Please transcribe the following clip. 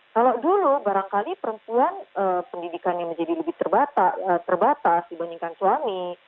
kalau dulu barangkali perempuan pendidikannya menjadi lebih terbatas dibandingkan suami